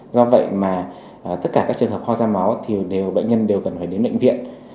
do vậy mà tất cả các trường hợp ho ra máu thì đều bệnh nhân đều cần phải đến bệnh viện